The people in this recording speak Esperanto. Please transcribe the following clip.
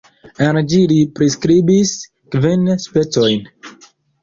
En ĝi li priskribis kvin "specojn".